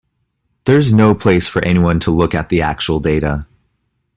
There's no place for anyone to look at the actual data.